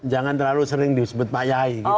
jangan terlalu sering disebut pak yai gitu